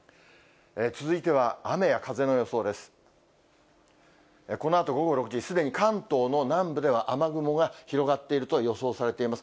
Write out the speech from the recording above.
続いては雨や風の予想です。